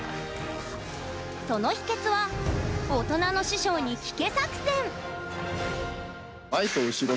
その秘けつは「大人の師匠に聞け」作戦。